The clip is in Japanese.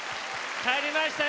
帰りましたよ。